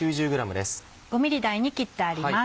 ５ｍｍ大に切ってあります。